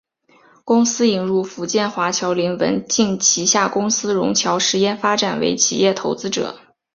公司引入福建华侨林文镜旗下公司融侨实业发展为企业投资者。